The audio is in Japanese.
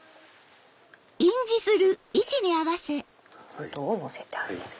封筒をのせてあげる。